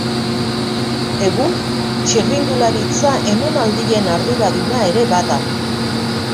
Egun, txirrindularitza emanaldien arduraduna ere bada.